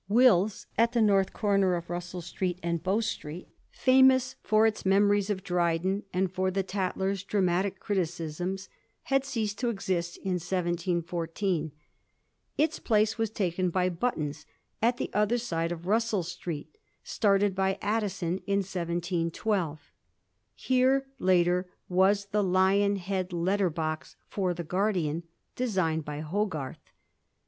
Will's, at the north comer of Russell Street and Bow Street, famous for its memories of Dryden and for the * Tatler's ' dramatic criticisms, had ceased to exist in 1714. Its place was taken by Button's, at the other side of Russell Street, started by Addison in 1712. Here, later, waa the lion head letter box for the 'Guardian,' designed by Hogarth.